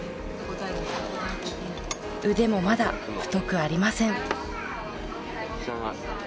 腕もまだ太くありません。